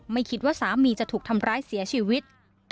ไม่คิดว่าสามีจะถูกทำร้ายเสียชีวิต